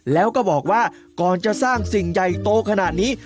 แล้วก็บอกว่าก่อนจะสร้างสิ่งใหญ่โตขนาดนี้